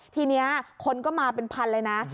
ทีนี้คนก็มาเป็นพันเลยนะ